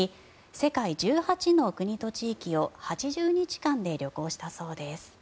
世界１８の国と地域を８０日間で旅行したそうです。